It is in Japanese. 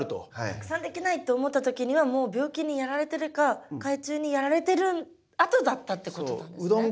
たくさんできないって思った時にはもう病気にやられてるか害虫にやられてるあとだったってことなんですね。